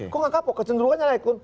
kok nggak kapok kecenderungannya naik pun